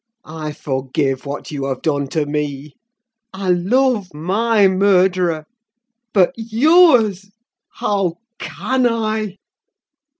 I forgive what you have done to me. I love my murderer—but yours! How can I?"